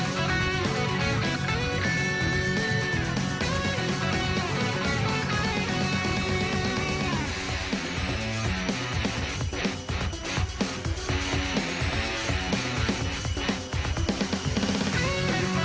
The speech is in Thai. สวัสดีครับ